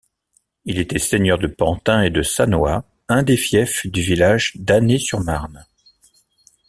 Il était seigneur de Pantin et de Sanois, un des fiefs du village d'Annet-sur-Marne.